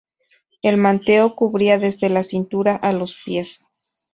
El manteo cubría desde la cintura a los pies.